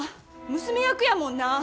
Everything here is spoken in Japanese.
娘役やもんな。